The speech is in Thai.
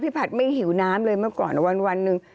ผัดไม่หิวน้ำเลยเมื่อก่อนวันหนึ่ง